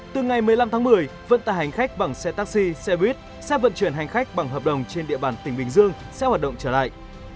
từ ngày một mươi năm tháng một mươi vận tải hành khách bằng xe taxi xe buýt xe vận chuyển hành khách bằng hợp đồng trên địa bàn tỉnh bình dương sẽ hoạt động trở lại